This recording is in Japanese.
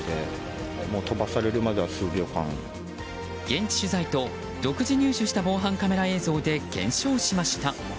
現地取材と独自入手した防犯カメラ映像で検証しました。